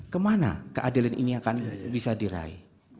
kemana keadilan ini akan bisa diraih